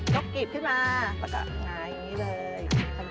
ก็กิบขึ้นมาแล้วก็หงาอย่างนี้เลย